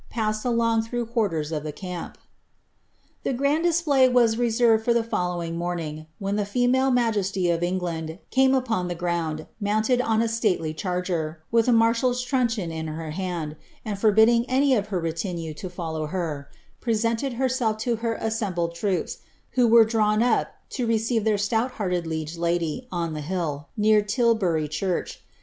Passed along through quarters of the camp." The grand display was reserved for the following morning, when the female majesty of England came upon the ground, mounted on a stately charger, with a marshal's truncheon in her hand, and forbidding any of her retinue to follow her, presented herself to her assembled troops, who were drawn up to receive their stout hearted liege lady on the hill, near Tilbury church.